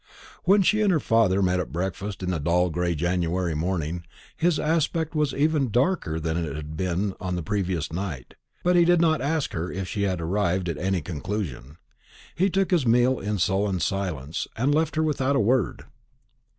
When she and her father met at breakfast in the dull gray January morning, his aspect was even darker than it had been on the previous night; but he did not ask her if she had arrived at any conclusion. He took his meal in sullen silence, and left her without a word.